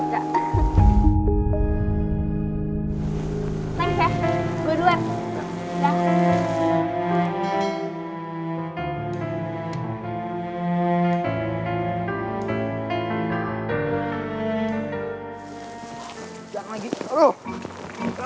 thanks ya gue duet